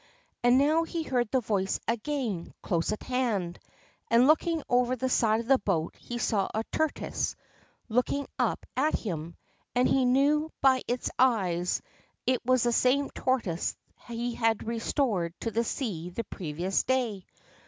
And now he heard the voice again close at hand, and, looking over the side of the boat, he saw a tortoise looking up at him, and he knew by its eyes that it was the same tortoise he had restored to the sea the previous day.